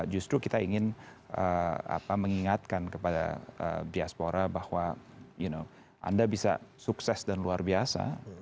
justru kita ingin mengingatkan kepada diaspora bahwa anda bisa sukses dan luar biasa